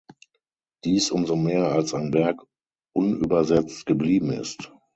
Dies umso mehr als sein Werk unübersetzt geblieben ist.